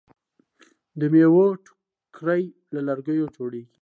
د میوو ټوکرۍ له لرګیو جوړیږي.